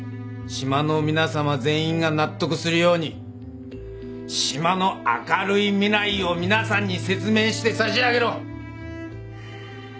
島の皆さま全員が納得するように島の明るい未来を皆さんに説明してさしあげろ。